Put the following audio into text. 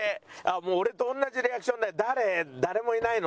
って俺と同じリアクションだよ。